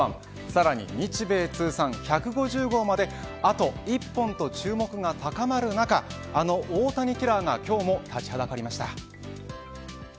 さらに日米通算１５０号まであと１本と注目が高まる中あの大谷キラーが今日も立ちはだかりました。